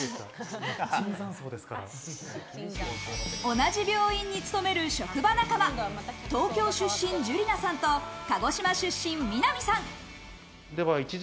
同じ病院に勤める職場仲間、東京出身、樹莉奈さんと鹿児島出身、美波さん。